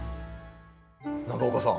長岡さん